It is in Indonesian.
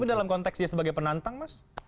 tapi dalam konteks dia sebagai penantang mas